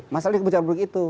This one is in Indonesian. masalah di kebijakan publik itu